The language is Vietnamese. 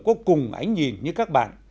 có cùng ánh nhìn như các bạn